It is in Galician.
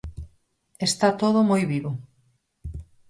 Está todo moi vivo.